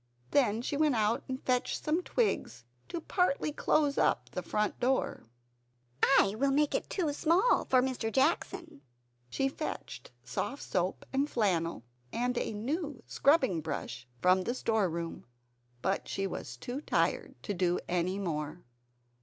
Then she went out and fetched some twigs, to partly close up the front door. "I will make it too small for Mr. Jackson!" She fetched soft soap, and flannel, and a new scrubbing brush from the storeroom. But she was too tired to do any more.